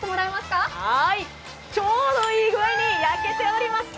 ちょうどいい具合に焼けております。